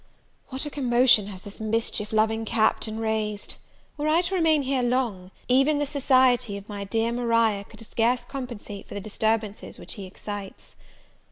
What a commotion has this mischief loving Captain raised! Were I to remain here long, even the society of my dear Maria could scarce compensate for the disturbances which he excites.